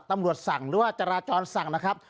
ตำรวจสั่งหรือว่าจราจรสั่งนะครับ